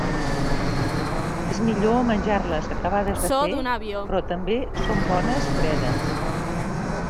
És millor menjar-les acabades de fer però també són bones fredes.